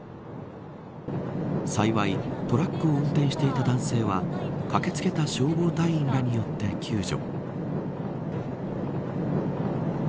幸い、トラックを運転していた男性は駆け付けた消防隊員らによって救助。